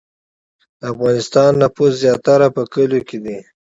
د افغانستان نفوس زیاتره په کلیو کې دی